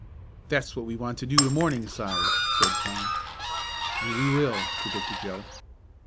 "That's what we want to do to Morningside," said Tom. "And we will!" predicted Joe.